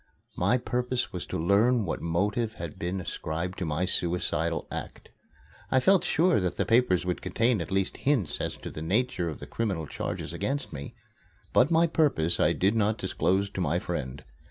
My purpose was to learn what motive had been ascribed to my suicidal act. I felt sure that the papers would contain at least hints as to the nature of the criminal charges against me. But my purpose I did not disclose to my friend.